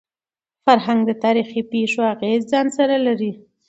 فرهنګ د تاریخي پېښو اغېز ځان سره لري.